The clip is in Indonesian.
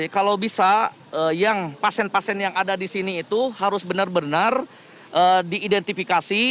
kalau bisa yang pasien pasien yang ada di sini itu harus benar benar diidentifikasi